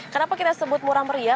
kenapa kita sebut murah meriah